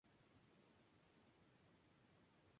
Está enterrada en el cementerio de Calvary, en Estados Unidos.